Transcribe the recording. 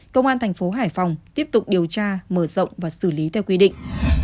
công an thành phố hải phòng tiếp tục điều tra mở rộng và xử lý theo quy định